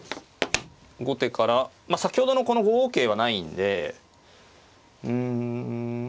後手から先ほどの５五桂はないんでうん。